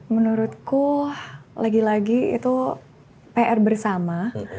menurutku lagi lagi itu pr bersama